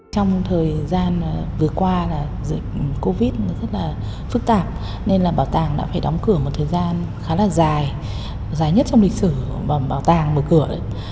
trong thời gian vừa qua là dịch covid rất là phức tạp nên là bảo tàng đã phải đóng cửa một thời gian khá là dài dài nhất trong lịch sử bảo tàng mở cửa